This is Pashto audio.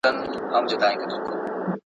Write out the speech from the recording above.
د بچو خالي ځالۍ ورته ښکاره سوه ,